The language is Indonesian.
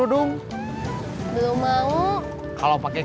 itu tempat hal yang benar